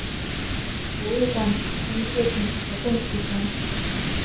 博物馆提供各种活动和展品。